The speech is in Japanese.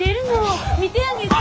見てあげて。